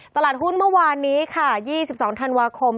ตลาดหุ้นเมื่อวานนี้ค่ะ๒๒ธันวาคม